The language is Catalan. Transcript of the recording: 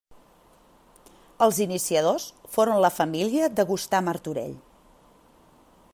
Els iniciadors foren la família de Gustà Martorell.